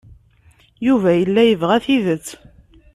Yuba yella yebɣa tidet.